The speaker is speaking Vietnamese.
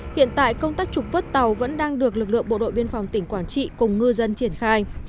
hiện tại công tác trục vớt tàu vẫn đang được lực lượng bộ đội biên phòng tỉnh quảng trị cùng ngư dân triển khai